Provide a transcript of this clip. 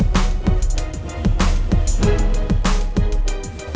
terus kita pebanjir gue